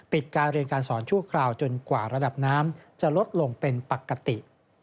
การเรียนการสอนชั่วคราวจนกว่าระดับน้ำจะลดลงเป็นปกติ